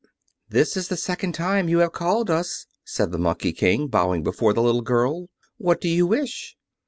"This is the second time you have called us," said the Monkey King, bowing before the little girl. "What do you wish?"